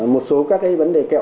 một số các cái vấn đề kẹo